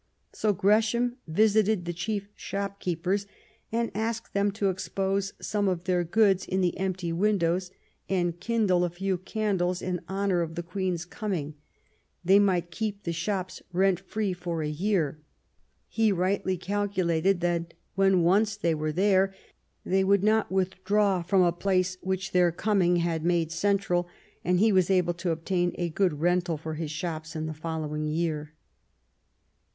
So Gresham visited the chief shopkeepers and asked them to expose some of their goods in the empty windows, and kindle a few candles in honour of the Queen's coming : they might keep the shops rent free for a year. He rightly cal culated that, when once they were there, they would not withdraw from a place which their coming had made central ; and he was able to obtain a good rental for his shops in the following year.